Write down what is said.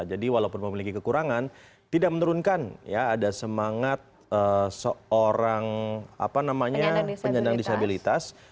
jadi walaupun memiliki kekurangan tidak menurunkan ada semangat seorang penyandang disabilitas